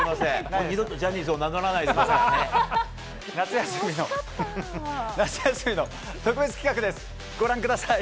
もう二度とジャニーズを名乗らないでください。